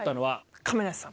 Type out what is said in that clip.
亀梨さん。